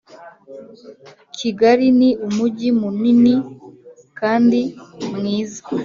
kigali ni umujyi munini kandi mwiza